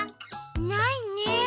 ないねえ。